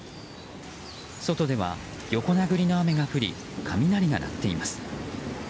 外では横殴りの雨が降り雷が鳴っています。